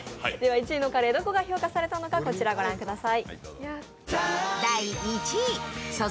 １位のカレーどこが評価されたのかこちら御覧ください。